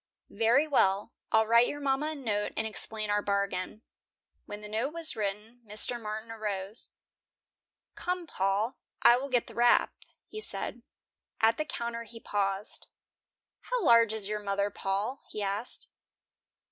"Very well. I'll write your mama a note and explain our bargain." When the note was written, Mr. Martin arose. "Come, Paul, I will get the wrap," he said. At the counter he paused. "How large is your mother Paul?" he asked.